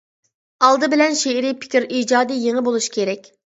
ئالدى بىلەن، شېئىرىي پىكىر ئىجادىي يېڭى بولۇش كېرەك.